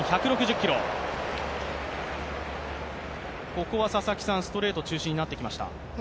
ここはストレート中心になってきました。